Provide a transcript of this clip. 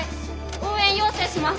応援要請します。